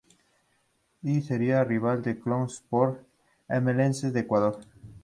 Y será rival del Club Sport Emelec de Ecuador.